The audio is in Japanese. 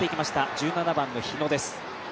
１７番の日野です。